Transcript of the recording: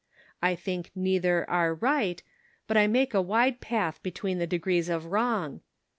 I think neither are right, but I make a wide path between the degrees of wrong.